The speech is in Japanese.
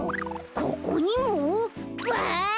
ここにも？わい！